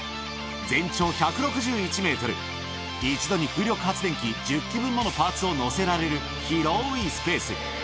全長１６１メートル、一度に風力発電機１０基分ものパーツを載せられる広いスペース。